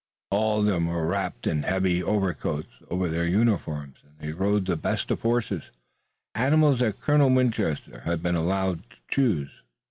All of them were wrapped in heavy overcoats over their uniforms, and they rode the best of horses, animals that Colonel Winchester had been allowed to choose.